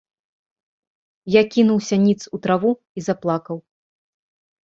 Я кінуўся ніц у траву і заплакаў.